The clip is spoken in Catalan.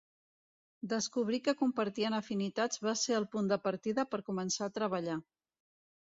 Descobrir que compartien afinitats va ser el punt de partida per començar a treballar.